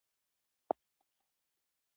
سوداګري مالي څارنې ته اړتیا لري.